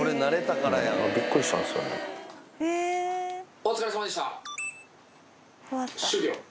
お疲れさまでした終了。